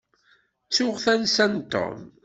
Ttuɣ tansa n Tom.